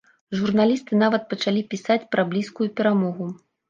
Журналісты нават пачалі пісаць пра блізкую перамогу.